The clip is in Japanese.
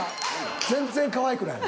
全然かわいくない。